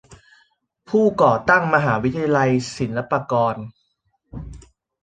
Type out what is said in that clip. ผู้ก่อตั้งมหาวิทยาลัยศิลปากร